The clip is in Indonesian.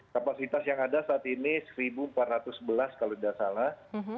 kapasitas yang ada saat ini satu empat ratus sebelas kalau tidak salah